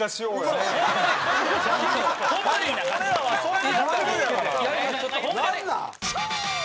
俺らはそれでやってるやん！